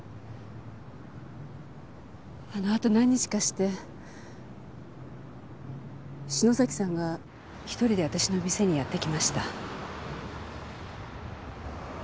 あのあと何日かして篠崎さんが１人で私の店にやって来ました。